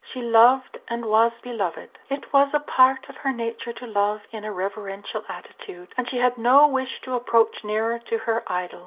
She loved and was beloved. It was a part of her nature to love in a reverential attitude, and she had no wish to approach nearer to her idol.